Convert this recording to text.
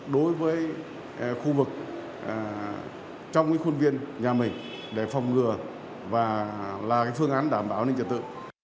đối với khu vực trong cái khuôn viên nhà mình để phòng ngừa và là cái phương án đảm bảo cho tự